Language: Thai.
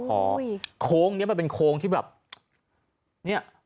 โค้งนี้มันเป็นโค้งที่แบบ